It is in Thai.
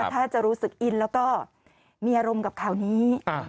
ถ้าจะรู้สึกอินแล้วก็มีอารมณ์กับข่าวนี้